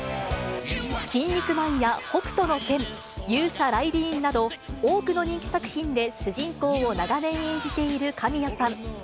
キン肉マンや北斗の拳、勇者ライディーンなど、多くの人気作品で主人公を長年演じている神谷さん。